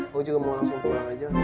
aku juga mau langsung pulang aja